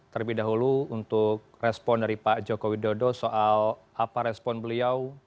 terlebih dahulu untuk respon dari pak joko widodo soal apa respon beliau